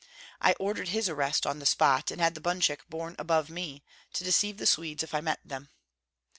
I ordered his arrest on the spot, and had the bunchuk borne above me to deceive the Swedes if I met them."